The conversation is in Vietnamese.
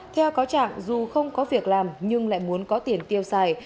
theo cáo trạng dù không có việc làm nhưng lại muốn có tiền tiêu xài